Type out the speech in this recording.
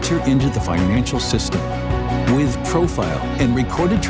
cooperasi antara bank utama